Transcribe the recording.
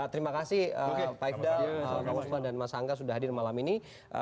terima kasih pak ifdal bang usman dan mas angga sudah hadir malam ini